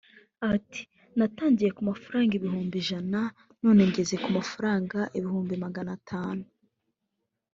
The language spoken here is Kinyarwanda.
Ati “Natangiriye ku mafaranga ibihumbi ijana none ngeze ku mafaranga ibihumbi Magana atanu